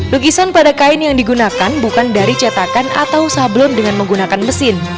lukisan pada kain yang digunakan bukan dari cetakan atau sablem dengan menggunakan mesin